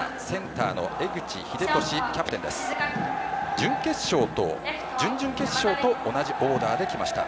準決勝と準々決勝と同じオーダーできました。